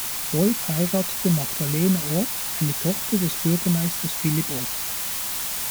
Wolff heiratete Magdalena Orth, eine Tochter des Bürgermeisters Philipp Orth.